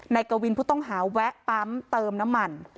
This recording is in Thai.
กวินผู้ต้องหาแวะปั๊มเติมน้ำมัน